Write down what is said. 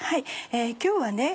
今日はね